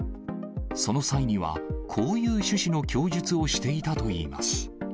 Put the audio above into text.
その際には、こういう趣旨の供述をしていたといいます。